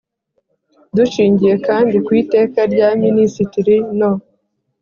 Dushingiye kandi ku Iteka rya Minisitiri no